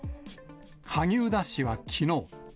萩生田氏はきのう。